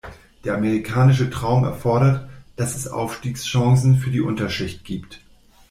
Der amerikanische Traum erfordert, dass es Aufstiegschancen für die Unterschicht gibt.